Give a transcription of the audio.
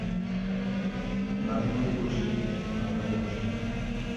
মাঝে মাঝে বাসি, মাঝে-মাঝে বাসি না।